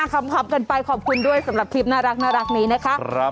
คำกันไปขอบคุณด้วยสำหรับคลิปน่ารักนี้นะคะ